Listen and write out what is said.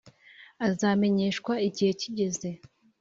Azamenyeshwa igihe kigeze